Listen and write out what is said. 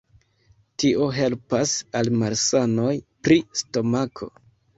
Tio helpas al malsanoj pri stomako.